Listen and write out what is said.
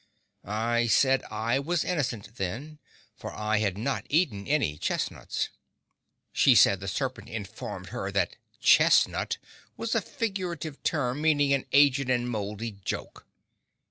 I said I was innocent, then, for I had not eaten any chestnuts. She said the Serpent informed her that "chestnut" was a figurative term meaning an aged and mouldy joke.